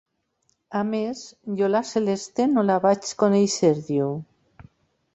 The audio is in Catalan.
A més, jo la Celeste no la vaig conèixer —diu—.